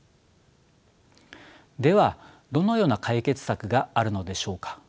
ではどのような解決策があるのでしょうか。